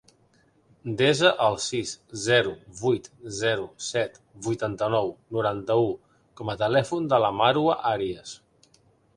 Desa el sis, zero, vuit, zero, set, vuitanta-nou, noranta-u com a telèfon de la Marwa Arias.